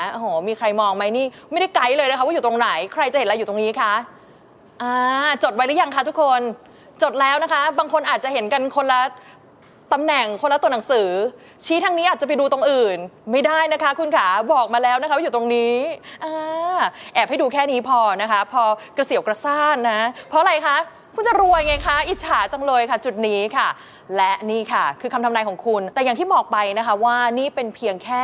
โอ้โหมีใครมองไหมนี่ไม่ได้ไกดเลยนะคะว่าอยู่ตรงไหนใครจะเห็นอะไรอยู่ตรงนี้คะ